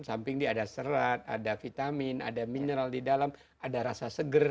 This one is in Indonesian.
samping dia ada serat ada vitamin ada mineral di dalam ada rasa seger